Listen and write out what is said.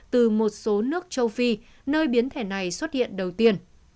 từ một số nước châu phi nơi biến thể này xuất hiện đầu tiên